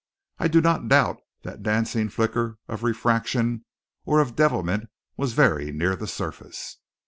I do not doubt that dancing flicker of refraction or of devilment was very near the surface.